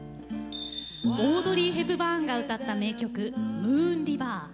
オードリー・ヘップバーンが歌った名曲「ムーン・リバー」。